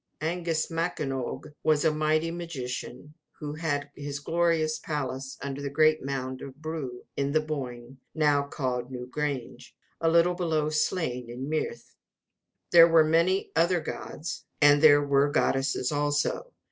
Angus Mac an oge was a mighty magician, who had his glorious palace under the great mound of Brugh [Broo] on the Boyne, now called Newgrange, a little below Slane in Meath. There were many other gods; and there were goddesses also.